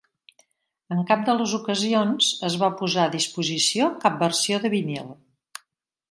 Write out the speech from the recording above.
En cap de les ocasions es va posar a disposició cap versió de vinil.